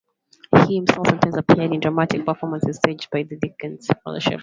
He himself sometimes appeared in dramatic performances staged by the Dickens Fellowship.